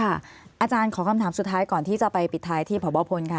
อาจารย์ขอคำถามสุดท้ายก่อนที่จะไปปิดท้ายที่พบพลค่ะ